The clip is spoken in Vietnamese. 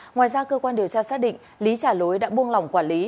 ngoài ra cơ quan điều tra xác định lý trả lối đã buông lỏng quản lý